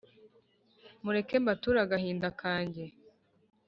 Mureke mbature agahinda kange